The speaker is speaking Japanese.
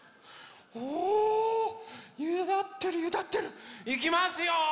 おおゆだってるゆだってる！いきますよ！